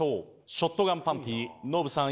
ショットガンパンティノブさん